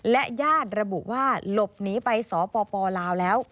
และญาติระบุว่าหลบหนีไปสปลาวแล้ว